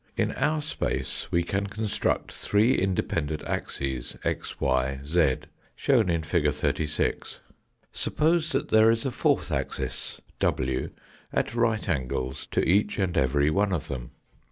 In our space we can construct three independent axes, x, y, z, shown in fig. 36. Suppose that there is a fourth axis, w, at right angles to each and every one of them.